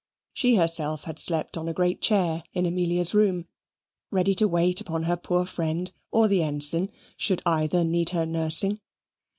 She herself had slept on a great chair in Amelia's room, ready to wait upon her poor friend or the ensign, should either need her nursing.